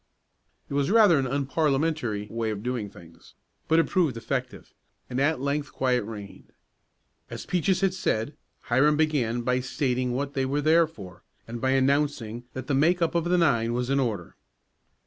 It was rather an unparliamentary way of doing things, but it proved effective, and at length quiet reigned. As Peaches had said, Hiram began by stating what they were there for, and by announcing that the make up of the nine was in order.